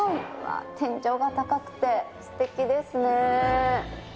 天井が高くてすてきですね。